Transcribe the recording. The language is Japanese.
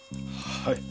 はい。